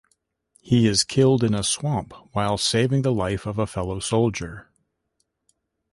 He is killed in a swamp, while saving the life of a fellow soldier.